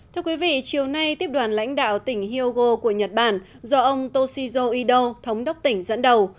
thưa quý vị chiều nay tiếp đoàn lãnh đạo tỉnh hyogo của nhật bản do ông toshizo ido thống đốc tỉnh dẫn đầu